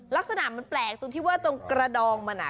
ลักษณะมันแปลกตรงที่ว่าตรงกระดองมัน